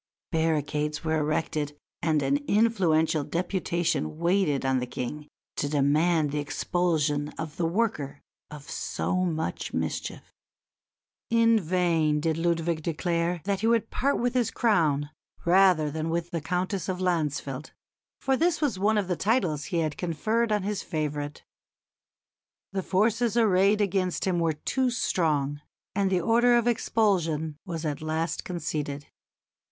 Barricades were erected and an influential deputation waited on the King to demand the expulsion of the worker of so much mischief. In vain did Ludwig declare that he would part with his crown rather than with the Countess of Landsfeld for this was one of the titles he had conferred on his favourite. The forces arrayed against him were too strong, and the order of expulsion was at last conceded.